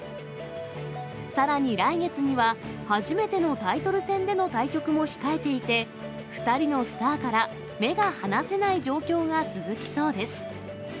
さらに来月には、初めてのタイトル戦での対局も控えていて、２人のスターから目が離せない状況が続きそうです。